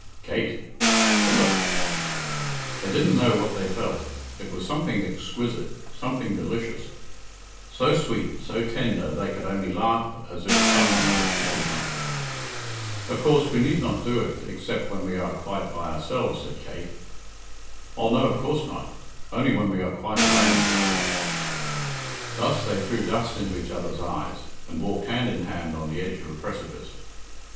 "Kate!" "Philip!" They didn't know what they felt. It was something exquisite, something delicious; so sweet, so tender, they could only laugh as if some one had tickled them. "Of course, we need not do it except when we are quite by ourselves," said Kate. "Oh no, of course not, only when we are quite alone," said Philip. Thus they threw dust into each other's eyes, and walked hand in hand on the edge of a precipice.